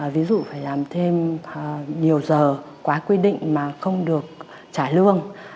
ví dụ phải làm thêm nhiều giờ quá quy định mà không được trả lương